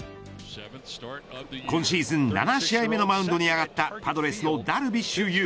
今シーズン７試合目のマウンドに上がったパドレスのダルビッシュ有。